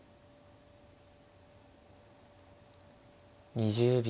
２０秒。